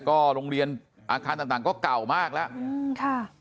ก็โรงเรียนอาคารต่างก็เก่ามากแล้ว